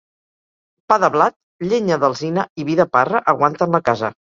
Pa de blat, llenya d'alzina i vi de parra aguanten la casa.